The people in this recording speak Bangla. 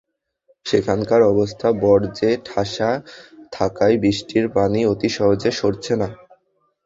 সেখানকার অবস্থা বর্জ্যে ঠাসা থাকায় বৃষ্টির পানি অতি সহজে সরছে না।